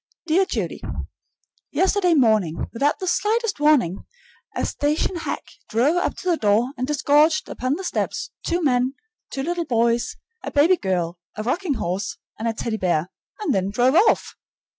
Dear Judy: Yesterday morning, without the slightest warning, a station hack drove up to the door and disgorged upon the steps two men, two little boys, a baby girl, a rocking horse, and a Teddy bear, and then drove off!